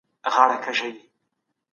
استازي د کارګرانو لپاره څه شرایط ټاکي؟